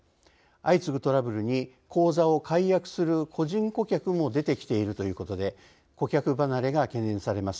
相次ぐトラブルに口座を解約する個人顧客も出てきているということで顧客離れが懸念されます。